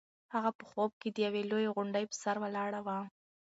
هغه په خوب کې د یوې لویې غونډۍ په سر ولاړه وه.